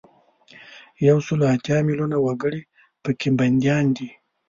یو سل او اتیا میلونه وګړي په کې بندیان دي.